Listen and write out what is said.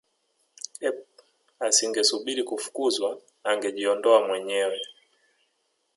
ep asingesubiri kufukuzwa angejiondoa mwenyewe